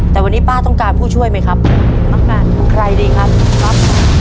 แต่วันนี้ป้าต้องการผู้ช่วยไหมครับต้องการใครดีครับครับ